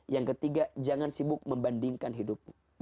yang ketiga jangan sibuk membandingkan hidupmu